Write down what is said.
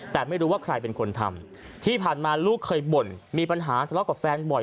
แต่ไม่รู้ว่าใครเป็นคนทำที่ผ่านมาลูกเคยบ่นมีปัญหาทะเลาะกับแฟนบ่อย